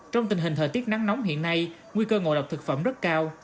trong tình hình thời tiết nắng nóng hiện nay nguy cơ ngộ độc thực phẩm rất cao